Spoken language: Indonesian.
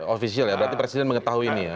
official ya berarti presiden mengetahui ini ya